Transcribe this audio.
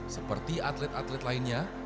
seperti atlet atlet lainnya